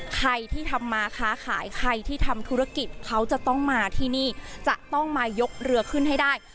ใครที่ทำมาค้าขายใครที่ทำธุรกิจเขาจะต้องมาที่นี่จะต้องมายกเรือขึ้นให้ได้